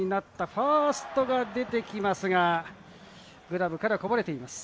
ファーストが出てきますが、グラブからこぼれています。